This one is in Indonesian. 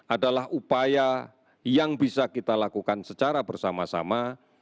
adalah upaya yang bisa kita lakukan secara bersama sama